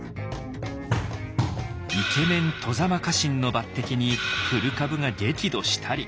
イケメン外様家臣の抜てきに古株が激怒したり。